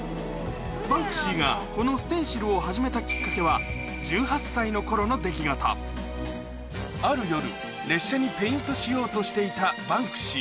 バンクシーがこのステンシルを始めたきっかけは１８歳の頃の出来事ある夜列車にペイントしようとしていたバンクシー